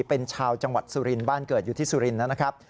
เป็นชาวจังหวัดสุรินทร์บ้านเกิดอยู่ที่สุรินทร์นะครับ